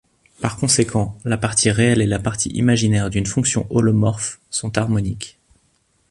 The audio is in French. Par conséquent, la partie réelle et la partie imaginaire d'une fonction holomorphe sont harmoniques.